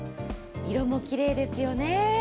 色もきれいですよね。